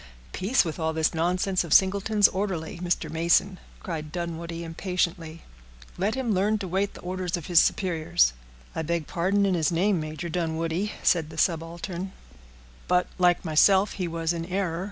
"Peace, with all this nonsense of Singleton's orderly, Mr. Mason," cried Dunwoodie, impatiently; "let him learn to wait the orders of his superiors." "I beg pardon in his name, Major Dunwoodie," said the subaltern; "but, like myself, he was in error.